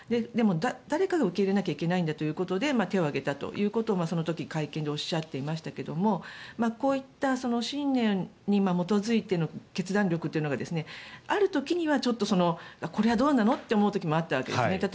でも、誰かが受け入れなければいけないんだということで手を挙げたということをその時、会見でおっしゃっていましたけどこういった信念に基づいての決断力というのがある時にはこれはどうなの？って思う時もあったわけですね。